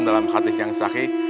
dalam hadis yang sahih